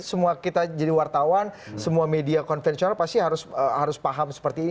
semua kita jadi wartawan semua media konvensional pasti harus paham seperti ini